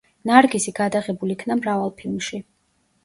ნარგიზი გადაღებული იქნა მრავალ ფილმში.